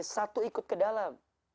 satu ikut ke dalam